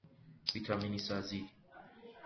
ویتامینی سازی